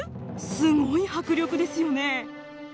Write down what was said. すごい迫力ですよね！